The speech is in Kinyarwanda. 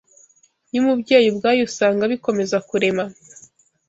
y’umubyeyi ubwayo usanga bikomeza kurema